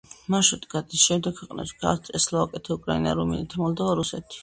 მარშრუტი გადის შემდეგ ქვეყნებზე: ავსტრია, სლოვაკეთი, უკრაინა, რუმინეთი, მოლდოვა, რუსეთი.